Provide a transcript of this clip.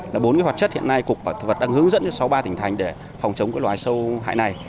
là bốn cái hoạt chất hiện nay cục bảo vệ thực vật đang hướng dẫn cho sáu ba tỉnh thành để phòng trống loài sâu hại này